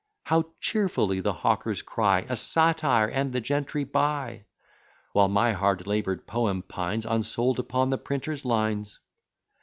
How cheerfully the hawkers cry A satire, and the gentry buy! While my hard labour'd poem pines Unsold upon the printer's lines.